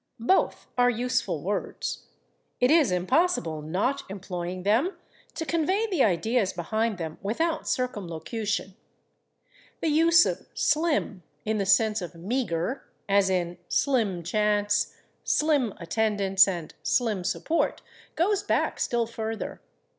Both are useful words; it is impossible, not employing them, to convey the ideas behind them without circumlocution. The use of /slim/ in the sense of meagre, as in /slim chance/, /slim attendance/ and /slim support/, goes back still further.